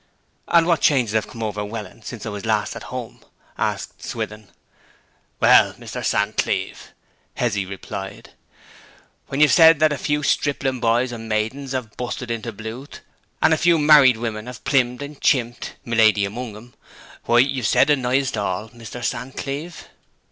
'And what changes have come over Welland since I was last at home?' asked Swithin. 'Well, Mr. San Cleeve,' Hezzy replied, 'when you've said that a few stripling boys and maidens have busted into blooth, and a few married women have plimmed and chimped (my lady among 'em), why, you've said anighst all, Mr. San Cleeve.'